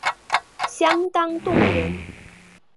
相当动人